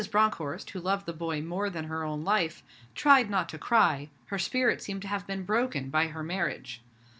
Bronckhorst, who loved the boy more than her own life, tried not to cry her spirit seemed to have been broken by her marriage.